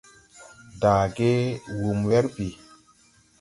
Daage wum wɛr bìi.